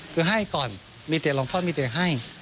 คือให้ก่อนมีเต็ดลงพ่อมีเต็ดให้